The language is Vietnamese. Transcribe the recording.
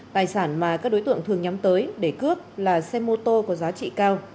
tài sản mà các đối tượng thường nhắm tới để cướp là xe mô tô có giá trị cao